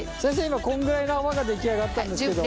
今こんぐらいの泡が出来上がったんですけど。